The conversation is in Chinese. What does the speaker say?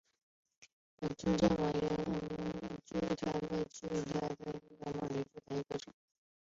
川滇马铃苣苔为苦苣苔科马铃苣苔属下的一个种。